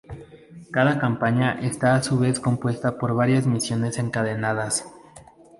Cada campaña está a su vez compuesta por varias misiones encadenadas.